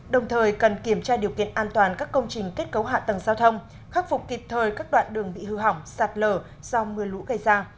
đồng thời cần kiểm tra điều kiện an toàn các công trình kết cấu hạ tầng giao thông khắc phục kịp thời các đoạn đường bị hư hỏng sạt lở do mưa lũ gây ra